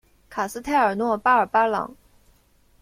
卡斯泰尔诺巴尔巴朗。